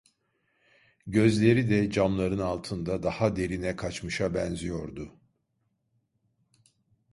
Gözleri de, camların altında, daha derine kaçmışa benziyordu.